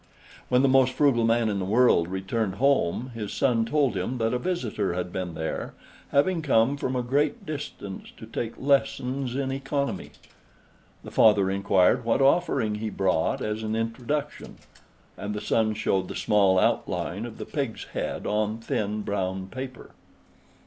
When the most frugal man in the world returned home, his son told him that a visitor had been there, having come from a great distance to take lessons in economy. The father inquired what offering he brought as an introduction, and the son showed the small outline of the pig's head on thin brown paper.